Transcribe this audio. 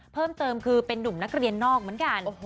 เพิ่มเติมคือเป็นนุ่มนักเรียนนอกเหมือนกัน